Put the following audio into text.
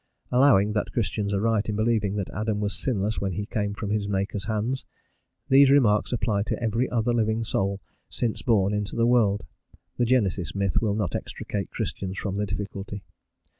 Allowing that Christians are right in believing that Adam was sinless when he came from his Maker's hands, these remarks apply to every other living soul since born into the world; the Genesis myth will not extricate Christians from the difficulty.